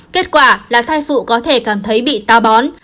kết quả là thai phụ có thể cảm thấy bị táo bón